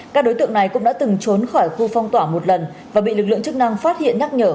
các đối tượng này cũng đã từng trốn khỏi khu phong tỏa một lần và bị lực lượng chức năng phát hiện nhắc nhở